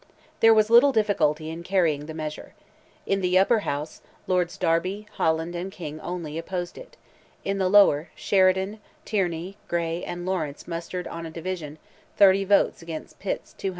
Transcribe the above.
There was little difficulty in carrying the measure. In the Upper House, Lords Derby, Holland, and King only opposed it; in the Lower, Sheridan, Tierney, Grey, and Lawrence mustered on a division, 30 votes against Pitt's 206.